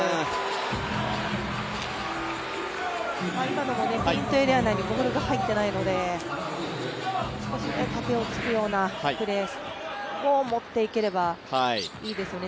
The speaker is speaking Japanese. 今のもペイントエリア内にボールが入っていないので少し縦を突くようなプレーを持っていければいいですよね。